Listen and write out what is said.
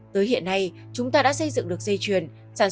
tới hiện nay chúng ta đã xây dựng được dây chuyền sản